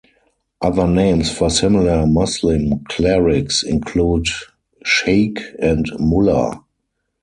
Other names for similar Muslim clerics include sheikh and mullah.